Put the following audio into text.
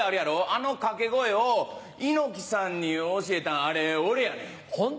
あの掛け声を猪木さんに教えたんアレオレやねん。